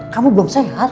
kamu belum sehat